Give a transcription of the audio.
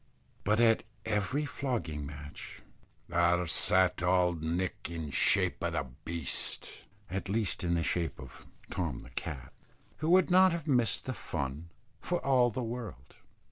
But at every flogging match "There sat auld Nick in shape o' beast," at least in the shape of Tom the cat, who would not have missed the fun for all the world.